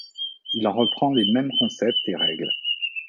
Il en reprend les mêmes concepts et règles.